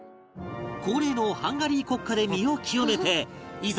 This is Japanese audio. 恒例のハンガリー国歌で身を清めていざ